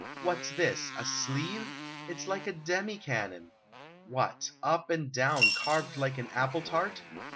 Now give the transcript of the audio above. "What's this? A sleeve? It's like a demi cannon! What, up and down, carved like an apple tart?